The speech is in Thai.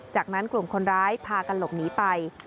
จากนั้นกลุ่มคนร้ายพากันหลบหนีไป